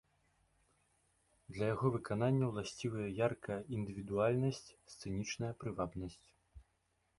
Для яго выканання ўласцівыя яркая індывідуальнасць, сцэнічная прывабнасць.